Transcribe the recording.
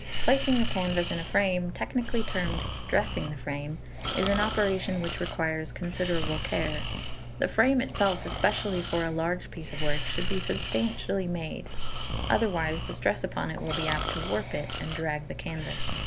Placing the canvas in a frame, technically termed dressing the frame, is an operation which requires considerable care. The frame itself, especially for a large piece of work, should be substantially made; otherwise the stress upon it will be apt to warp it, and drag the canvas.